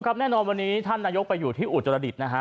ครับแน่นอนวันนี้ท่านนายกไปอยู่ที่อุจจรดดิบนะฮะ